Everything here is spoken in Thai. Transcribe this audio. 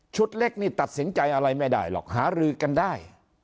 เล็กนี่ตัดสินใจอะไรไม่ได้หรอกหารือกันได้